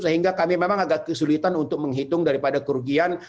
sehingga kami memang agak kesulitan untuk menghitung daripada kerugian